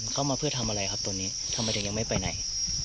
เข้ามาเพื่อทำอะไรครับตอนนี้ทำไมถึงยังไม่ไปไหน